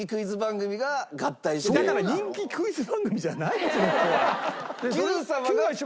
だから人気クイズ番組じゃないってここは！